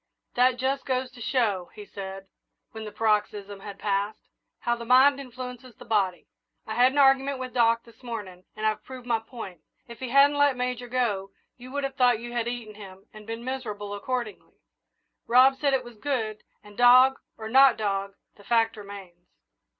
"That just goes to show," he said, when the paroxysm had passed, "how the mind influences the body. I had an argument with Doc this morning, and I've proved my point. If he hadn't let Major go, you would have thought you had eaten him and been miserable accordingly. Rob said it was good, and, dog or not dog, the fact remains."